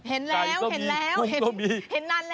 เห็นแล้วเห็นนานแล้ว